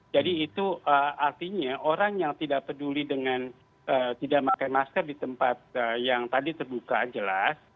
jadi itu artinya orang yang tidak peduli dengan tidak pakai masker di tempat yang tadi terbuka jelas